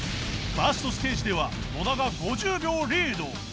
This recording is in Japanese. １ｓｔ ステージでは野田が５０秒リード